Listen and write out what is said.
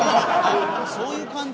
そういう感じ？